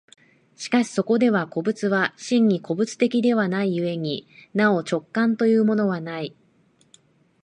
しかしそこでは個物は真に個物的ではない故になお直観というものはない。